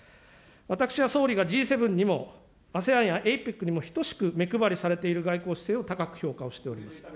私は総理がＧ７にもＡＳＥＡＮやＡＰＥＣにも等しく目配りされている外交体制を高く評価をしております。